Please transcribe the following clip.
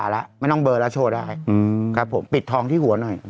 เราปิดทองที่หัวหน่อย